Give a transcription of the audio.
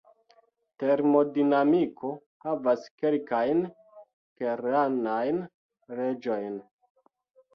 Termodinamiko havas kelkajn kernajn leĝojn.